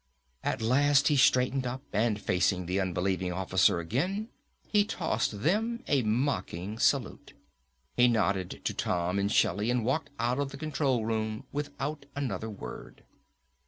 At last he straightened up, and facing the unbelieving officer again, he tossed them a mocking salute. He nodded to Tom and Shelly and walked out of the control room without another word.